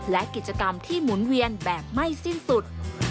และกิจกรรมที่หมุนเวียนแบบไม่สิ้นสุด